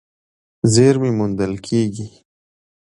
زېرمې موندل کېږي.